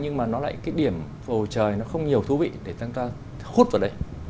nhưng mà cái điểm phồ trời nó không nhiều thú vị để chúng ta hút vào đấy